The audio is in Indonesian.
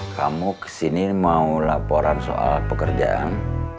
kamu kesini mau laporan soal pekerjaan